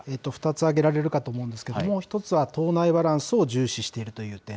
２つ挙げられるかと思うんですけれども、１つは党内バランスを重視しているという点。